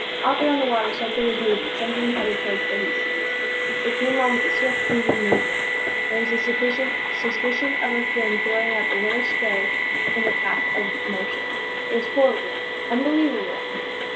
Out there on the water something was moving something headed toward the "Hastings." It came on with a swift, cleaving movement. There was a suspicion of a fin throwing up a little spray in the path of motion. It was horrible unbelievable!